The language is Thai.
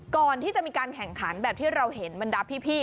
ก่อนที่จะมีการแข่งขันแบบที่เราเห็นบรรดาพี่